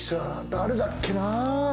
誰だっけな？